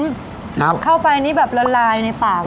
ครับเข้าไปอันนี้แบบละลายในปากเลย